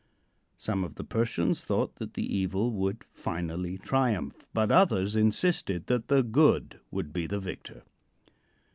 Some of the Persians thought that the evil would finally triumph, but others insisted that the good would be the victor.